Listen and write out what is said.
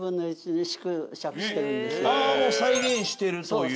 もう再現してるという。